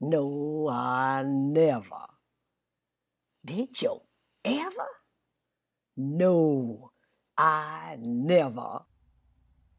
No, Ah never! Did yo' ever? No, Ah never!"